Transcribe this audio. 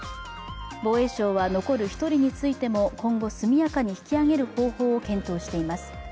防衛省は残る１人についても今後速やかに引き揚げる方法を検討しています。